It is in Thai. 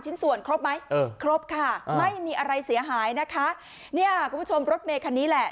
ชิ้นส่วนครบไหมเออครบค่ะไม่มีอะไรเสียหายนะคะเนี่ยคุณผู้ชมรถเมคันนี้แหละ